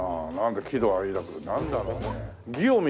喜怒哀楽なんだろうね？